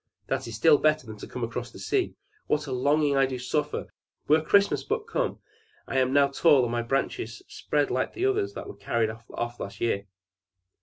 "That is still better than to cross the sea! What a longing do I suffer! Were Christmas but come! I am now tall, and my branches spread like the others that were carried off last year!